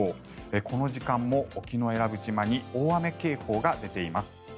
この時間も沖永良部島に大雨警報が出ています。